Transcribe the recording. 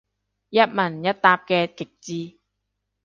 一問一答嘅極致